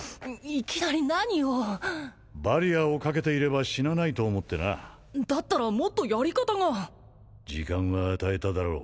いきなり何をバリアをかけていれば死なないと思ってなだったらもっとやり方が時間は与えただろ